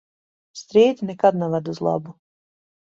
Strīdi nekad neved uz labu.